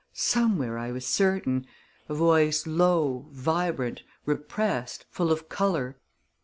Somewhere, I was certain a voice low, vibrant, repressed, full of color.